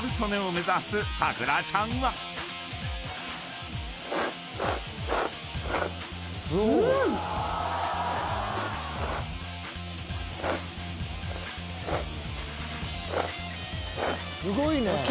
すごいね！